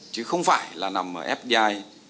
chứ không phải là nằm ở fdi